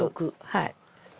はい。